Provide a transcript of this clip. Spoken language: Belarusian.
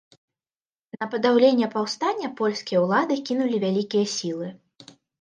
На падаўленне паўстання польскія ўлады кінулі вялікія сілы.